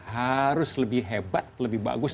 harus lebih hebat lebih bagus